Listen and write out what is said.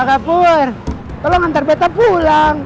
kakak pur tolong antar betta pulang